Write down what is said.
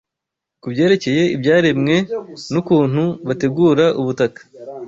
ku byerekeye ibyaremwe n’ukuntu bategura ubutaka